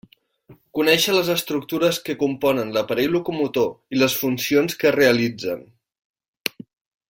Conéixer les estructures que componen l'aparell locomotor i les funcions que realitzen.